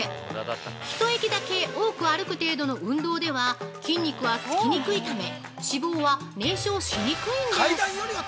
１駅だけ多く歩く程度の運動では筋肉はつきにくいため、脂肪は燃焼しにくいんです。